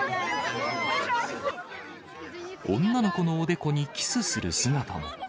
女の子のおでこにキスする姿も。